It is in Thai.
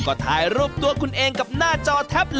เอาพี่เองไม่นับดีกว่าพี่